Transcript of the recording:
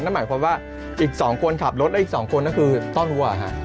นั่นหมายความว่าอีก๒คนขับรถและอีก๒คนก็คือต้อนวัวฮะ